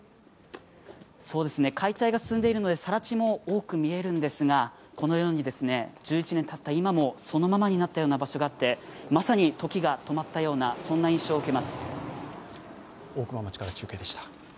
解体が進んでいるので更地も多く見えるんですが、このように１１年たった今もそのままになったような場所があってまさに時が止まったような印象を受けます。